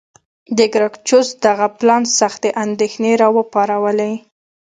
د ګراکچوس دغه پلان سختې اندېښنې را وپارولې.